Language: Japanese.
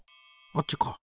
あっちか。